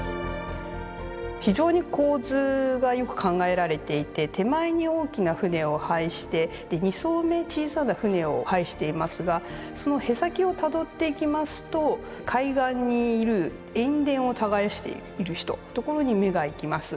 非常に構図がよく考えられていて手前に大きな船を配して２艘目小さな船を配していますがその舳先をたどっていきますと海岸にいる塩田を耕している人所に目がいきます。